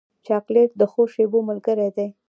چاکلېټ د ښو شېبو ملګری دی.